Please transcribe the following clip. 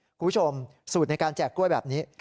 คุณผู้ชมสูตรในการแจกกล้วยแบบนี้